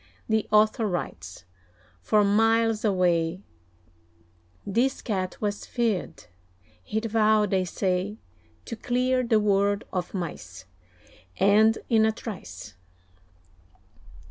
(The author writes) For miles away, This Cat was feared; he'd vowed, they say, To clear the world of mice, And in a trice.